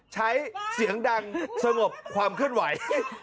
เสียงดังสงบความเคลื่อนไหว